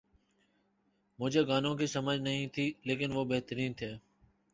مجھے گانوں کی سمجھ نہیں تھی لیکن وہ بہترین تھے